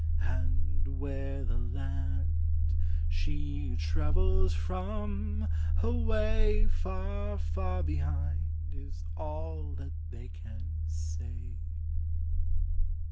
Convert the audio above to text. And where the land she travels from ? Away, Far, far behind, is all that they can say.